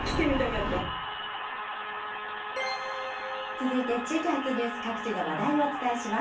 続いて、地域発ニュース、各地の話題をお伝えします。